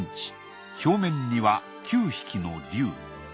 表面には９匹の龍。